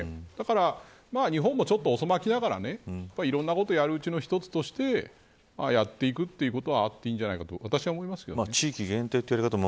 だから日本もちょっと遅まきながらいろんなことをやるうちの一つとしてやっていくということはあっていいんじゃないかと私は思いますけど。